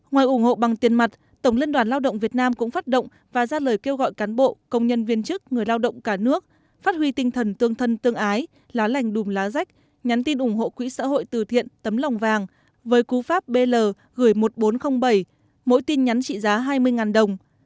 ngoài ủng hộ bằng tiền mặt tổng liên đoàn lao động việt nam cũng phát động và ra lời kêu gọi cán bộ công nhân viên chức người lao động cả nước phát huy tinh thần tương thân tương ái lá lành đùm lá rách nhắn tin ủng hộ quỹ xã hội từ thiện tấm lòng vàng với cú pháp bl gửi một nghìn bốn trăm linh bảy mỗi tin nhắn trị giá hai mươi đồng